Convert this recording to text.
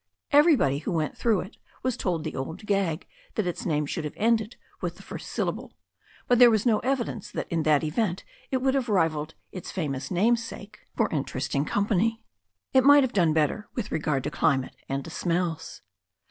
Everybody who went through it was told the old gag that its name should have ended with the first syllable, but there was no evidctvci^ that in that event it would have rivalled its iamo>3kS xiaxsvb^ ^57 258 THE STORY OF A NEW ZEALAND RIVER sake for interesting company. It might have done better with regard to climate and to smells.